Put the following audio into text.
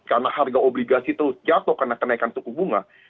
karena harga obligasi terus jatuh karena kenaikan suku bunga